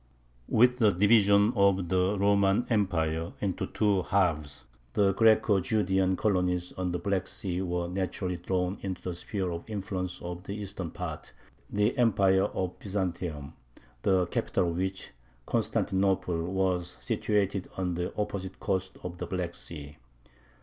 With the division of the Roman Empire into two halves the Greco Judean colonies on the Black Sea were naturally drawn into the sphere of influence of the eastern part, the Empire of Byzantium, the capital of which, Constantinople, was situated on the opposite coast of the Black Sea.